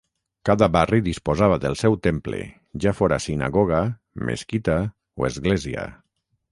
Cada barri disposava del seu temple, ja fora sinagoga, mesquita o església.